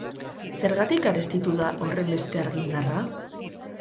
Zergatik garestitu da horrenbeste argindarra?